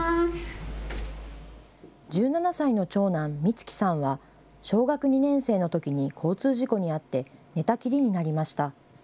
１７歳の長男、光来さんは小学２年生のときに交通事故に遭って寝たきりになりました。